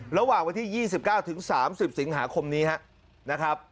ระหว่างวันที่ยี่สิบเก้าถึงสามสิบสิบหาคมนี้ฮะนะครับ